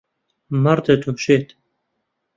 مەڕ دەدۆشێت.